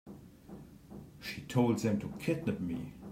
She told them to kidnap me.